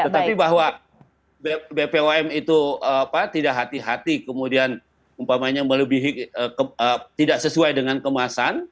tetapi bahwa bpom itu tidak hati hati kemudian umpamanya melebihi tidak sesuai dengan kemasan